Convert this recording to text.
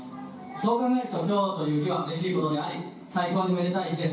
そう考えると、きょうという日はうれしいことであり最高にめでたい日です。